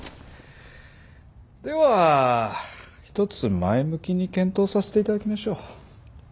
ではひとつ前向きに検討させていただきましょう。